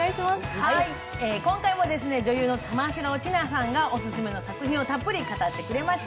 今回も女優の玉城ティナさんがオススメの作品をたっぷり語ってくれました。